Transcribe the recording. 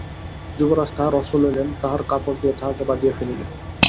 যুবরাজ তাহার অস্ত্র লইলেন, তাহার কাপড় দিয়া তাহাকে বাঁধিয়া ফেলিলেন।